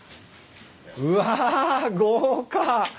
うわ豪華。